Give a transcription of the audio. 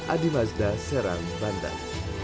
adi mazda serang bandar